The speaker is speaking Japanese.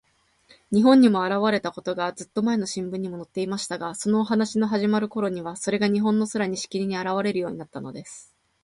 日本にもあらわれたことが、ずっとまえの新聞にのっていましたが、そのお話のはじまるころには、それが日本の空に、しきりにあらわれるようになったのです。